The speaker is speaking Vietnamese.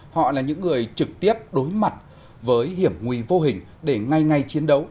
họ là những người trực tiếp đối mặt với hiểm nguy vô hình để ngay ngay chiến đấu